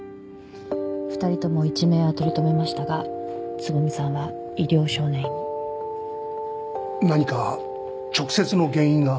２人共一命は取り留めましたが蕾さんは医療少年院に何か直接の原因が？